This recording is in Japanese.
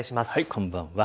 こんばんは。